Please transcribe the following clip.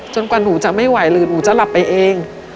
กว่าหนูจะไม่ไหวหรือหนูจะหลับไปเอง